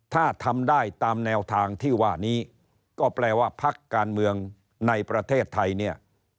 ถ้าทำได้ตามแนวทางที่ว่านี้ก็แปลว่าพักการเมืองในประเทศไทยเนี่ย